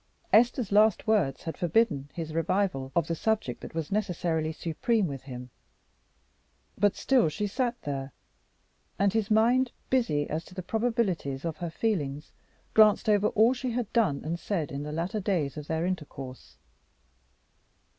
Esther's last words had forbidden his revival of the subject that was necessarily supreme with him. But still she sat there, and his mind, busy as to the probabilities of her feeling, glanced over all she had done and said in the later days of their intercourse.